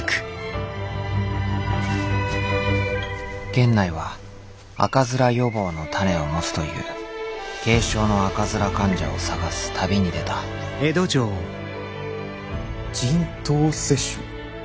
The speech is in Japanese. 源内は赤面予防の種を持つという軽症の赤面患者を探す旅に出た人痘接種？